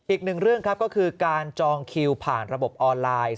อีกหนึ่งเรื่องครับก็คือการจองคิวผ่านระบบออนไลน์